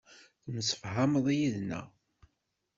Temsefhameḍ yid-neɣ.